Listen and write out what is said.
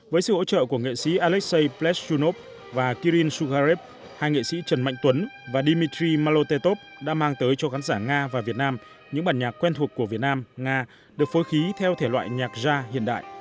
với sự hỗ trợ của nghệ sĩ alexei pleschunov và kirill sugarev hai nghệ sĩ trần mạnh tuấn và dimitry malotetov đã mang tới cho khán giả nga và việt nam những bản nhạc quen thuộc của việt nam nga được phối khí theo thể loại nhạc gia hiện đại